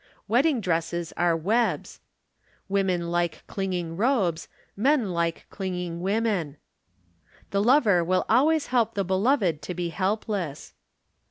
Wedding dresses are webs. Women like clinging robes; men like clinging women. The lover will always help the beloved to be helpless.